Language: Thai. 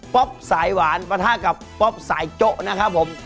๊อปสายหวานปะทะกับป๊อปสายโจ๊ะนะครับผม